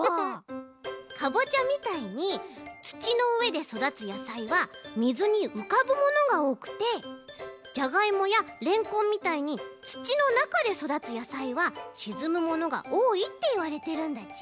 かぼちゃみたいにつちのうえでそだつやさいは水にうかぶものがおおくてじゃがいもやれんこんみたいにつちのなかでそだつやさいはしずむものがおおいっていわれてるんだち。